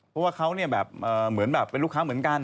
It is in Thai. เพราะว่าเขาเป็นลูกค้าเหมือนกัน